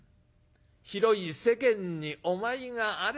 広い世間にお前があれば』」。